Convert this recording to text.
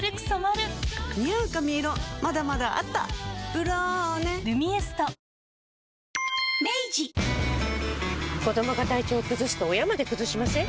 「ブローネ」「ルミエスト」子どもが体調崩すと親まで崩しません？